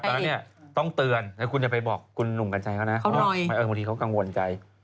และตรงนี้ต้องเตือนอย่าไปบอกคุณหนุ่มกัญชัยเขานิดนึงเขากังวลใจ